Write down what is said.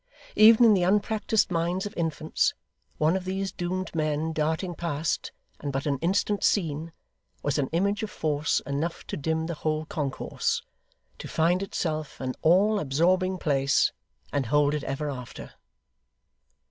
Even in the unpractised minds of infants, one of these doomed men darting past, and but an instant seen, was an image of force enough to dim the whole concourse; to find itself an all absorbing place, and hold it ever after.